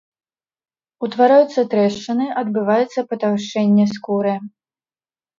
Утвараюцца трэшчыны, адбываецца патаўшчэнне скуры.